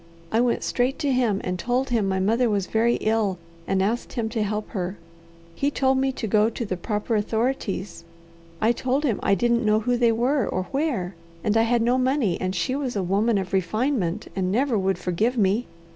I went straight to him, and told him my mother was very ill, and asked him to help her. He told me to go to the proper authorities. I told him I didn't know who they were or where, and I had no money and she was a woman of refinement, and never would forgive me.